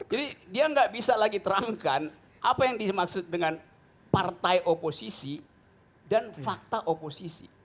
jadi dia tidak bisa lagi terangkan apa yang dimaksud dengan partai oposisi dan fakta oposisi